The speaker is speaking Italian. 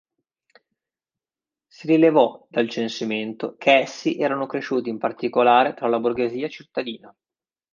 Si rilevò dal censimento che essi erano cresciuti in particolare tra la borghesia cittadina.